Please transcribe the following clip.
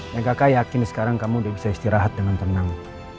dan kakak yakin sekarang kamu sudah bisa istirahat dengan tenang